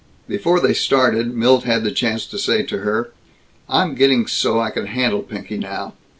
Before they started, Milt had the chance to say to her, "I'm getting so I can handle Pinky now.